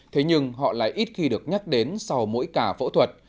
thế nhưng họ lại ít khi được nhắc đến sau mỗi cả phẫu thuật